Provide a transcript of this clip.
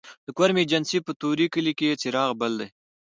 د کرم ایجنسۍ په طوري کلي کې څراغ بل دی